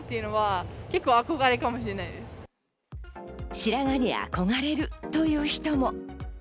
白髪に憧れるという人も。